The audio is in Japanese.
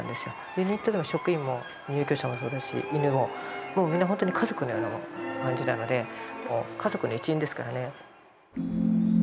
ユニットでの職員も入居者もそうだし犬ももうみんなほんとに家族のような感じなのでもう家族の一員ですからね。